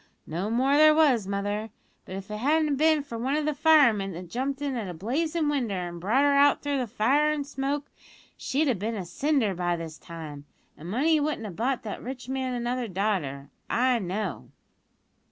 "No more there was, mother; but if it hadn't bin for one o' the firemen that jumped in at a blazin' winder an' brought her out through fire an' smoke, she'd have bin a cinder by this time, an' money wouldn't have bought the rich man another daughter, I know."